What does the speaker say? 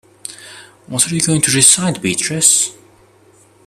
What are you going to recite, Beatrice?